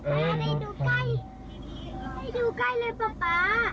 ได้ดูใกล้เลยป่า